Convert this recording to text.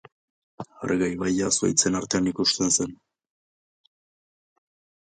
Arga ibaia zuhaitzen artean ikusten zen.